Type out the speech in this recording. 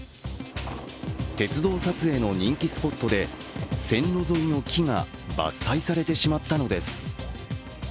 鉄道撮影の人気スポットで線路沿いの木が伐採されてしまったのです。